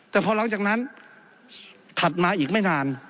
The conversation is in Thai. แต่พอหลังจากนั้นถัดมาอีกไม่นาน